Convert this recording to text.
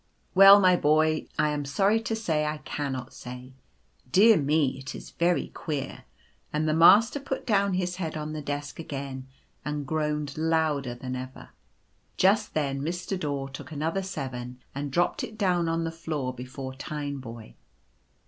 ♦ u Well, my boy, I am sorry to say I cannot say. Dear me, it is very queer," and the Master put down his head on the desk again, and groaned louder than ever. Just then Mr. Daw took another seven and dropped it down on the floor before Tineboy.